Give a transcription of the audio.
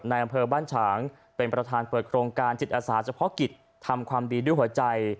อำเภอบ้านฉางเป็นประธานเปิดโครงการจิตอาสาเฉพาะกิจทำความดีด้วยหัวใจ